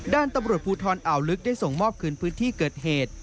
ด้านตำรวจภูทรอ่าวลึกได้ส่งมอบคืนพื้นที่เกิดเหตุ